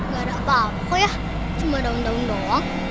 nggak ada apa apa ya cuma daun daun doang